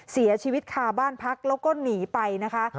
เสียชีวิตคาบ้านพักแล้วก็หนีไปนะคะ